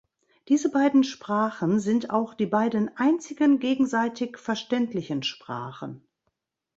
Diese beiden Sprachen sind auch die beiden einzigen gegenseitig verständlichen Sprachen.